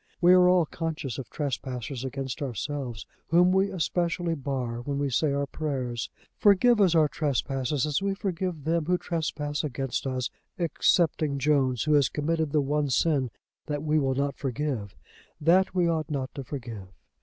We are all conscious of trespassers against ourselves whom we especially bar when we say our prayers. Forgive us our trespasses, as we forgive them who trespass against us, excepting Jones who has committed the one sin that we will not forgive, that we ought not to forgive.